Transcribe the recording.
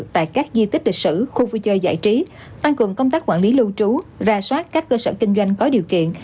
tại các di tích lịch sử khu vui chơi giải trí tăng cường công tác quản lý lưu trú ra soát các cơ sở kinh doanh có điều kiện